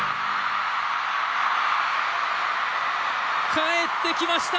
帰ってきました！